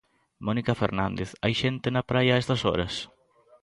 Mónica Fernández, hai xente na praia a estas horas?